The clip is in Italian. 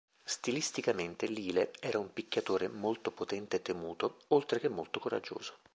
Stilisticamente Lyle era un picchiatore, molto potente e temuto, oltre che molto coraggioso.